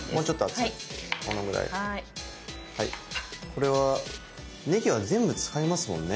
これはねぎは全部使いますもんね。